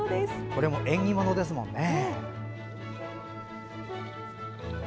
これも縁起物ですもんね。